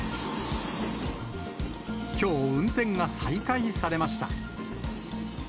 きょう、運転が再開されました。